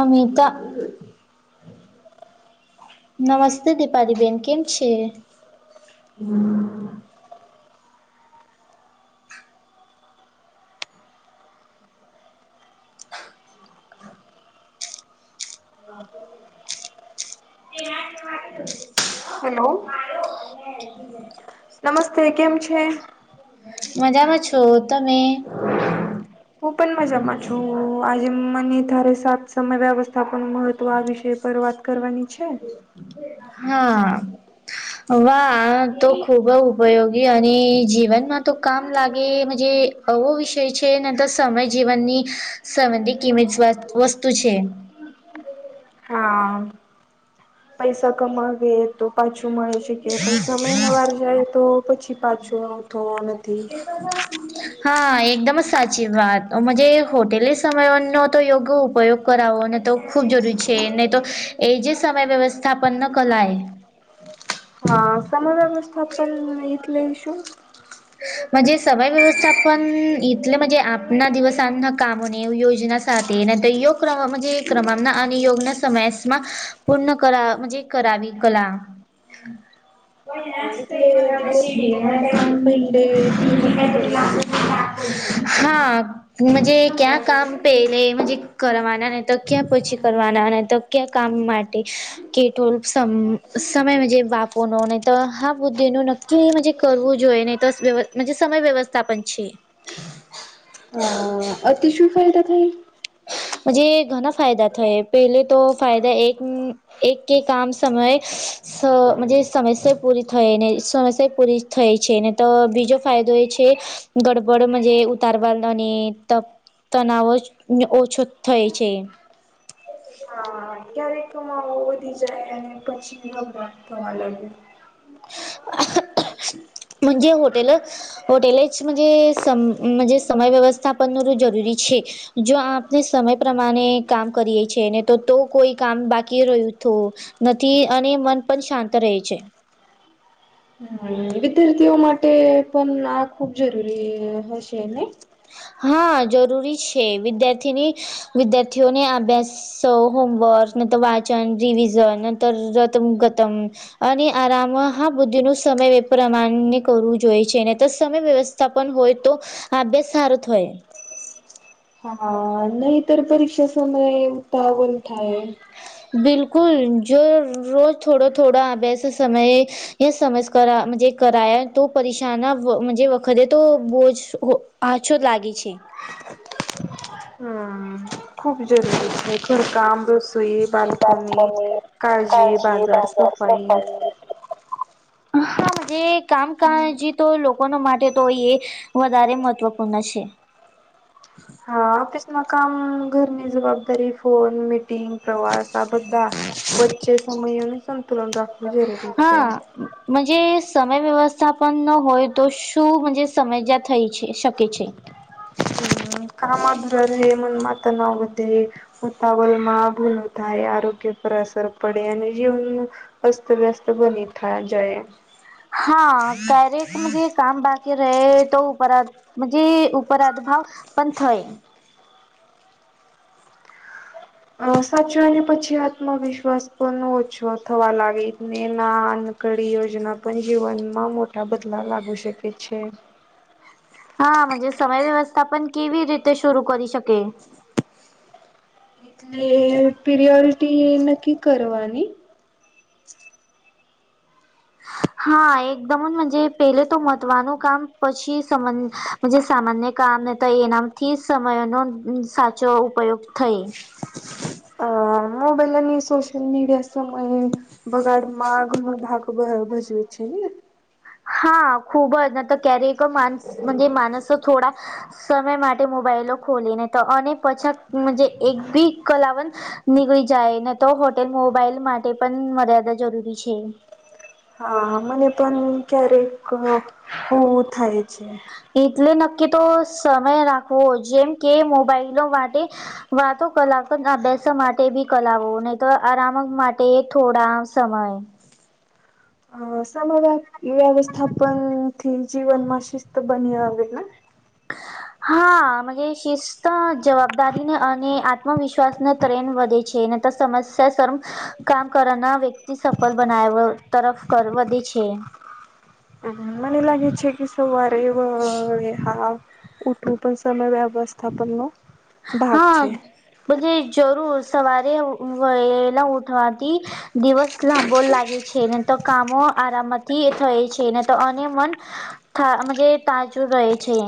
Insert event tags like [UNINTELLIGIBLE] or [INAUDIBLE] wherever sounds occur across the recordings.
અમિતા નમસ્તે દિપાલી બેેન કેમ છે? હમ્મ. [UNINTELLIGIBLE] હલો. [UNINTELLIGIBLE] નમસ્તે કેમ છે? મજામાં છો તમે? હું પન મજામાં છું આજે મને તારે સાત સમય વ્યવસ્થાપનમા તો આ વિષય પર વાત કરવાની છે. હા. વાહ! આ તો ખૂબ ઉપયોગી અને જીવનમાં તો કામ લાગે મજે અવવો વિષય છે નન તો સમય જીવનની સંબંધી કેવી જ વ વસ્તુ છે. હા પૈસા કમાવીએ તો પાછું મળે છે કે પણ સમય ન વાર જાય તો પછી પાછો આવતો અને [UNINTELLIGIBLE] હા એકદમ જ સાચી વાત અમ જે હોટેલે સમયનો તો યોગો ઉપયોગ કરાવો ને તો ખૂબ જરૂરી છે નહી તો એ જે સમય વ્યવસ્થાપનનો કલાય. હા સમ વ્યવસ્થાપન એટલે શું? મજે સમય વ્યવસ્થાપન એટલે મજે આપના દિવસ આજના કામોને યોજના સાથે ને ત યોગ ક્ર મંજે ક્રના અને યોગના સમયાસમાં પૂર્ણ કરા મંજે કરાવી કલા. હા, એટલે દિવસ કામ પહેલે થી નક્કી કરવા હા. મજે ક્યાં કામ પેલે મજે કરવાના ને તો ક્યાં પછી કરવાના ને તો કે કામ માટે કેટોલ સમ સમય મજે બાપો નો ન તો હા બુદ્ધિ ન નક્કી કરવું જોઈએ ને તોસ વ્યવ મજે સમય વ્યવસ્થાપન છે. હા. અ અતિ શું ફાયદા થાય? મજે ઘણા ફાયદા થયા પેલે તો ફાયદા એક એક કે કામ સમય સ સમસ્યા પૂરી થાય ને સમસ્યા પૂરી થાય છે ને તો બીજો ફાયદો એ છે ગડબડ મજે ઉતારવાલ અને ત તનાવ ને ઓછો થાય છે. હા ક્યારેક કમાવું. વધી જાય અને પછી નબરાત થવા લાગે. જે હોટેલ હોટેલે [UNINTELLIGIBLE] જ સમ સમય વ્યવસ્થાપનનું જરૂરી છે જો આપ આપને સમય પ્રમાણે કામ કરીએ છી ને તો તો કોઈ કામ બાકી રહ્યું તો નથી અને મન પણ શાંત રહે છે. હમ વિદ્યાર્થીઓ માટે પણ આ ખુબ જરૂરી હશે ને. હા જરૂરી છે વિદ્યાર્થીની વિદ્યાર્થીઓને અભ્યાસ સો હોમવર્ક નંતર વાચન રીવિઝન નંતર રતમ ગતમ અને આરામ હા બુદ્ધિ નું સમય પ્રમાણે કરવું જોઈએ છેને તો સમય વ્યવ સ્થાપન હોય તો આભ્યાસ સારો થય. હા નહીતર પરીક્ષા સમયે ઉતાવલ થાય. બિલકુલ જો રોજ થોડો થોડો આ અભ્યાસ સમયે એ સમય કરા મજે કરાયા તો પરીક્ષાના મજે તો બોજ હો પાછો લાગે છે. હા ખૂબ જરૂરી છે ઘરકામ રસોઈ બાલ્કોની લોકોની કાળજી બાજાર સફાઈ ને હા એ કામ કા હેજી તો લોકો માટે તો એ વધારે મહત્વપૂર્ણ છે. હા ઓફિસમાં કામ ઘરની જવાબદારી ફોન મીટિંગ પ્રવાસ આ બધા વચ્ચે સમય સંતુલન રાખવું જરૂરી છે. મજે સમય વ્યવસ્થાપન ન હોય તો શું સમજ્યા થઈ છે શકે છે [UNINTELLIGIBLE] એેમ માતા ન વધે ઉતાવલ માં ભૂલું થાય આરોગ્ય પર અસર પડે અને જીવનનું અસ્તવ્યસ્ત બની થાય જાય. હા કાયરેક કામ બાકી રહે તો પરત જે ઉપરાધ ભાવ પણ થય. અ સાચવાય ને પછી આત્મવિશ્વાસ પણ ઓછો થવા લાગે ને ના કડી યોજના પણ જીવનમાં મોટા બદલાવ લાવી શકે છે. હા મજે સમય વ્યવસ્થા પણ કેવી રીતે શરૂ કરી શકે. એટલે પિરિયોરિટી નક્કી કરવાની હા એકદમ મજે પેલે તો મહત્વાનું કામ પછી જે સામાન્ય કામ તો એનામથી સમયનો સાચો ઉપયોગ થઈ [INAUDIBLE] અ હ [UNINTELLIGIBLE] સોશ્યલ મીડિયા સમય બગડમાં ઘનો ભાગ ભજવે છે ને. હા ખૂબ જ ન તો ક્યારે માનસ મજે માણસ થોડા સમય માટે મોબાઈલો ખોલીને તો અને પછા મજા એક ભી કલાવન નીકળી જાય ને તો હોટેલ મોબાઈલ માટે પણ મર્યાદા જરૂરી છે. હા મને પણ ક્યારેક હોવું થાય છે. એટલે નક્કી તો સમય રાખવો જેમ કે મોબાઈલો માટે વાતો કલાક અભ્યાસ માટે બી કલાવો નહી તો આરામ માટે થોડા સમય અ સમય વ્યવસ્થાપન થી જીવન માં શિસ્ત બની આવે ને [INAUDIBLE] હા મજે શિસ્ત જવાબદારી ને અને આત્મવિશ્વાસને તરેન વધે છે. [UNINTELLIGIBLE] સમસ્યા કામ કરના [UNINTELLIGIBLE] સફળ બનાવ તરફ કર વધે છે. હમ મને લાગે છે કે સવારે વ હા ઉઠ કોઈ પણ સમય વ્યવસ્થાપનનો ભાગ હા છે. બધે જરૂર સવારે વહેલા ઉઠવાથી દિવસ લાંબો લાગે છે ને તો કામો આરામથી થાય છેને તો અને મન થા મજે તાજુ રહે છે.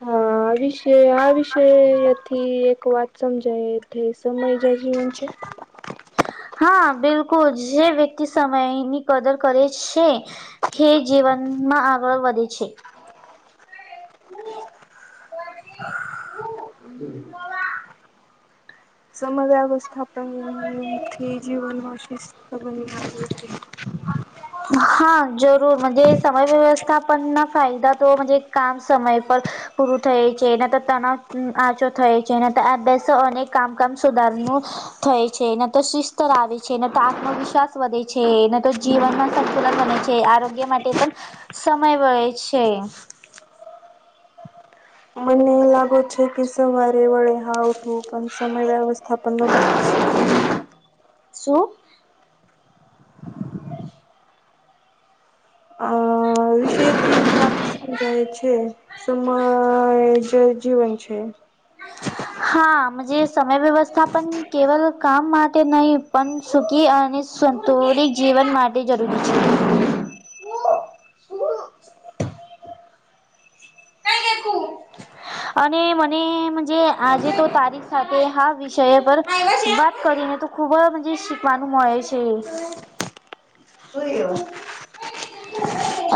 હા આ વિશે આ વિષથી એક વાત સમજાય સમય જ જીવન છે. હા બિલકુલ જે વ્યક્તિ સમયની કદર કરે છે. હે જીવનમાં આગળ વધે છે. [UNINTELLIGIBLE] સમયવ્યવસ્થા પણ થી જીવનમાં શિસ્ત [UNINTELLIGIBLE] હા જરૂર મજે સમય વ્યવસ્થાપન ફાયદા તો કામ સમય પર પૂરું થય છે ન તો તણાવ આંચો થય છે ન તો અભ્યાસો અનેક કામ કામ સુધારનું. થાય છે ન તો શિસ્ત આવે છે ન તો આત્મવિશ્વાસ વધે છે ન તો જીવનમાં કુલર બને છે આરોગ્ય માટે પણ સમય વે છે. મને એ લાગો છે કે સવારે વડે હા ઉઠવું પણ સમય વ્યવસ્થાપન નો ભાગ છે. શું? અ વિષયથી એક વાત સમજાય છે સમમાય જીવન છે. હાજ સમય વ્યવસ્થા પણ કેવલ કામ માટે નહીિ પણ સુખી અને સંતુરિત જીવન માટે જરૂરી છે. શું? અને મને આજે તો તારીખ સાથે હા વિષય પર વાત કરીને ખુબ શીખવાનું મળે છે. ક્યો?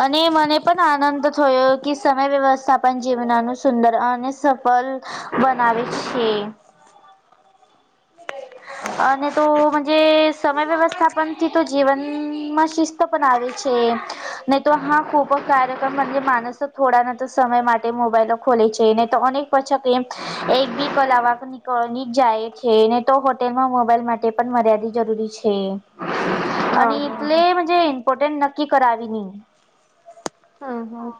અને મને પણ આનંદ થયો કે સમય વ્યવસ્થા પણ જીવનનું સુંદર અને સફળ બનાવે છે. અને તોજ સમય વ્યવસ્થાપનથી તો જીવનમાં શિસ્ત પણ આવે છે નહી તો હા ખૂ કાર્યક માણસ થોડા સમય માટે મોબાઈલો ખોલે છે તોક પછા એમ એક બી કલા નીકળની જાય. ને તો હોટેલ માં મોબાઈલ માટે પણ મર્યાદિત જરૂરી છે. અને હા એટલેજ હા ઇમ્પોર્ટન્ટન્ટ નક્કી કરાવવી નહી. હ હા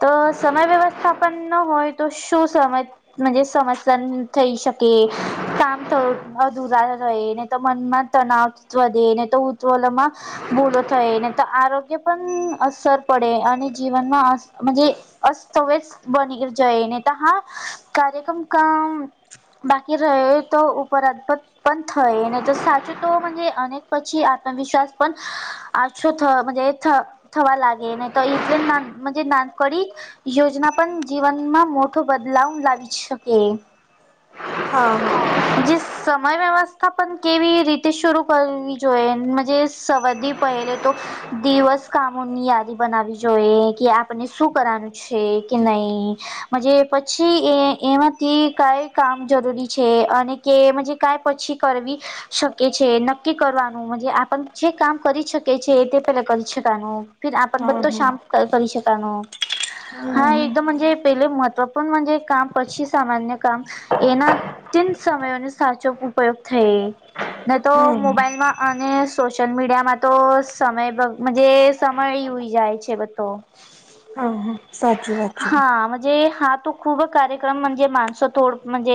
તો સમય વ્યવસ્થાપન ન હોય તો શું સમય સમસ્યા થઈ શકે કામ થધુરા રહે ને તો મનમાં તનાવ વધ દે ને તો ઉવમાં ભૂલો થાય ને તો આરોગ્ય પણ અસર પડે અને જીવનમાં જ અસ્તવ્યસ બનગીર જયનેતા હા કાર્યક્રમ ક બાકી રહે તો ઉપરાધપદ પણ થઈ ને તો સાચું તો અનેક પછી આત્મવિશ્વાસ પણ આશવ થ થ થવા લાગે ન તો ના ના કડી યોજના પણ જીવનમાં મોટો બદલાવ લાવી શકે હ હા હા હા જે સમય વ્યવસ્થા પણ કેવી રીતે શરૂ કરવી જોઈએજ સવાદી પહેલે તો દિવસ કામોની યાદી બનાવી જોઈએ કે આપ આપને શું કરવાનું છે કે નહી. જ પછી એ એમાંથી કઈ કામ જરૂરી છે અને કેજ કઈ પછી કરવી. શકે છે નક્કી કરવાનું આપણ જે કામ કરી શકે છે તે પેલા કરી શકનું ફ આપ હા હા બધતો શ્યામ કરી શકાનો હા એકદમજ. પેલે મહત્ત્વપૂર્ણ મંજે કામ પછી સામાન્ય કામ. એના તન સમય ન સાચો ઉપયોગ થઈ નને તો હા હા મોબાઈલમાં અને સોશિયલ મીડિયામાં તો સમય સમય ઈ જાય છે બધો હા હા સાચું વાચું હાજ હા તું ખૂબ કાર્યક્રમ માણસો થોડજ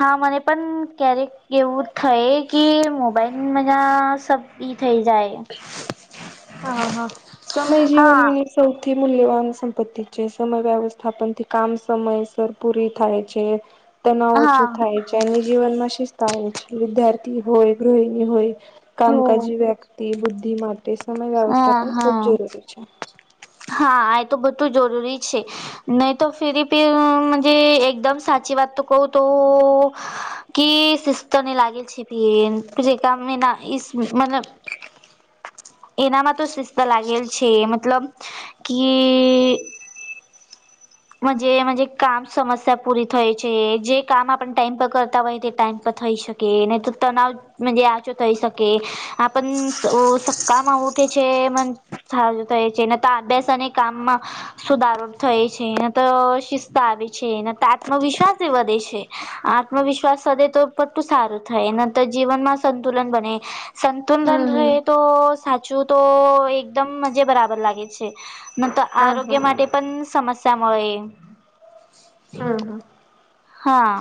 હા મને પણ ક્યારે એવું થઈ કે મોબાઈલ મજા સબ ઈ થઈ જાય. [INAUDIBLE] હા હા સમય હા જીવનની સૌથી મૂલ્યવાન સંપત્તિ છે સમય વ્યવસ્થાપનથી કામ સમયસર પૂરી થાય છે. તનાવ હા ઓછું થાય છે એની જીવનમાં શિસ્તા આવે છે વિદ્યાર્થી હોય ગૃહિણી હોય. કામકાજી વ્યક્તિ બુદ્ધિ માટે સમય વ્યવસ્થાપન હા હા અચ્છા. હા આ તો બધું જરૂરી છે. નહી તો ફિરી પીજ એકદમ સાચી વાત તો કહ તો-' કે સિસ્તો ન લાગલ છે ફેન જેમે ના ઈ મતલબ એનામાં તો શિસ્ત લાગેલ છે મતલબ કી [INAUDIBLE] જ કામ સમસ્યા પૂરી થય છે જે કામ આપ ટાઈમ પર કરતા હોય તે ટાઈમ પર થઈ શકે. નહી તો તણાવ ઓછું થઈ શકે આપ કામમાં ઉઠે છે મ સારું થાય છે ન તો અભ્યાસ અને કામમાં સુધારો થાય છે ન તો શિસ્ત આવે છે ન તો આત્મવિશ્વાસ એ વધે છે. આત્મવિશ્વાસ સધે તો પટું સારું થાય ન તો જીવનમાં સંતુલન બને. સંતુલન હમ હમ રહે તો. સાચું તો એકદમ મજ બરાબર લાગે છે મ હા હા આરોગ્ય માટે. પણ સમસ્યા મળે. હા હા.. હા.